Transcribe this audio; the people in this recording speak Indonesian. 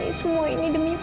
ini semua demi papa